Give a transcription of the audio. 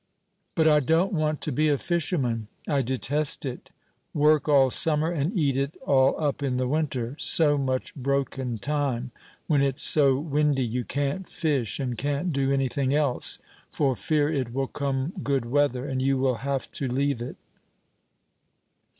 "But I don't want to be a fisherman; I detest it; work all summer, and eat it all up in the winter; so much broken time, when it's so windy you can't fish, and can't do anything else, for fear it will come good weather, and you will have to leave it."